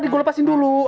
dibuat lepasin dulu